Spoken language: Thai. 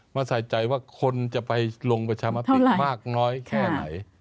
มาใส่ใจว่าคนจะไปลงประชามติมากน้อยแค่ไหน